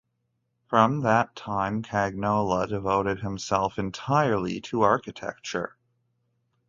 From that time Cagnola devoted himself entirely to architecture.